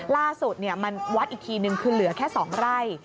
ล่าสุดมันวัดอีกทีนึงคือเหลือแค่๒ไร่